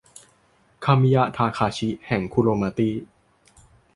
คามิยามะ ทาคาชิ แห่ง คุโรมาตี้